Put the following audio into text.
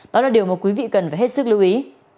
đó là điều mà quý vị cần phải hết sức lưu ý